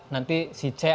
nanti si c atau si d